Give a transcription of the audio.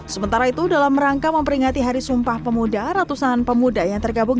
sementara itu dalam rangka memperingati hari sumpah pemuda ratusan pemuda yang tergabung